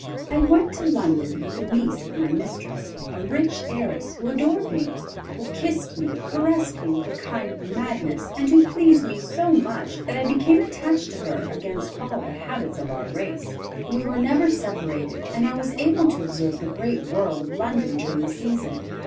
I went to London with a niece of my mistress, a rich heiress who adored me, who kissed me, caressed me with a kind of madness, and who pleased me so much that I became attached to her, against all the habits of our race. We were never separated and I was able to observe the great world of London during the season.